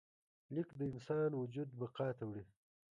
لیک د انسان وجود بقا ته وړي.